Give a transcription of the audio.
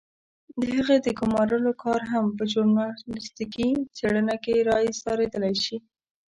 د هغې د ګمارلو کار هم په ژورنالستيکي څېړنه کې را اېسارېدلای شي.